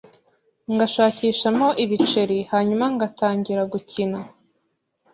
ngashakishamo ibiceri, hanyuma ngatangira gukina,